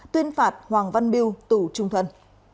tuyên phạt hoàng văn bill tù trung thuận